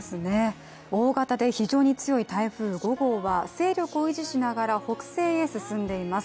大型で非常に強い台風５号は勢力を維持しながら、北西に進んでいます。